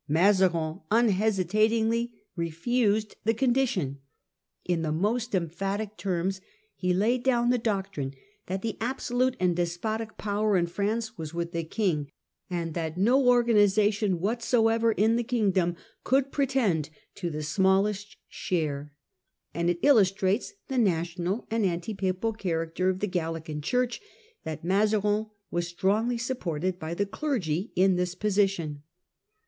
Mazarin unhesitatingly refused the condition. In the most emphatic terms he laid down the doctrine that the absolute and despotic power in France was with the King, and that no organisation whatsoever in the kingdom could pretend to the smallest share ; and it illustrates the national and anti papal character of the Gallican Church that Mazarin was strongly supported by the clergy in this position.